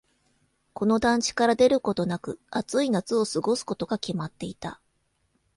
この団地から出ることなく、暑い夏を過ごすことが決まっていた。